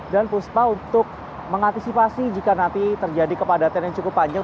dan puspa untuk mengantisipasi jika nanti terjadi kepadatan yang cukup panjang